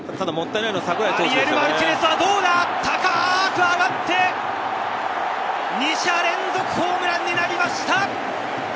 アリエル・マルティネスはどうだ！高く上がって、２者連続ホームランになりました！